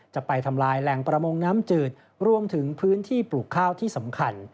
จะไปทำลายแหล่งประมงน้ำจืดรวมถึงพื้นที่ปลูกข้าวที่สำคัญ